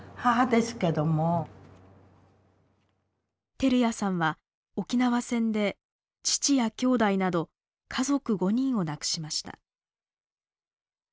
照屋さんは沖縄戦で父や兄弟など家族５人を亡くしました。